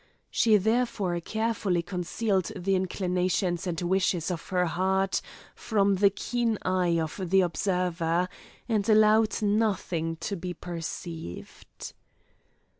She therefore carefully concealed the inclinations and wishes of her heart from the keen eye of the observer, and allowed nothing to be perceived.